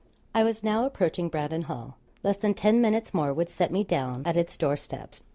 I was now approaching Brandon Hall; less than ten minutes more would set me down at its door steps.